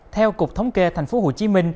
theo cục thống kê tp hcm